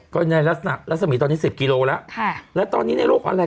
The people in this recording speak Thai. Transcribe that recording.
ก็ในรัฐสมีย์ตอนนี้๑๐กิโลแล้วและตอนนี้ในโลกอาหารแหละ